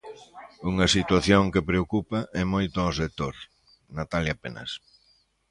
Unha situación que preocupa e moito ao sector, Natalia Penas.